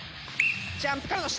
ジャンプからの下下。